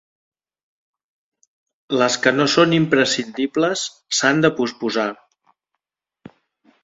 Les que no són imprescindibles s'han de posposar.